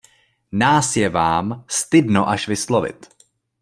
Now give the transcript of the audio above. Nás je vám, stydno až vyslovit!